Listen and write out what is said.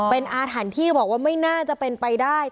เป็นอาถรรพ์ที่บอกว่าไม่น่าจะเป็นไปได้